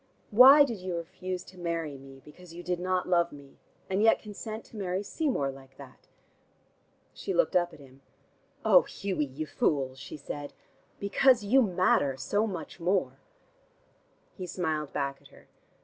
Why did you refuse to marry me, because you did not love me, and yet consent to marry Seymour like that?" She looked up at him. "Oh, Hughie, you fool," she said. "Because you matter so much more." He smiled back at her.